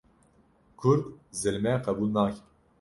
Kurd zilmê qebûl nake